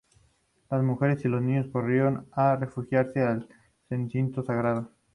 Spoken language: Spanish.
Las mujeres y los niños corrieron a refugiarse al recinto sagrado.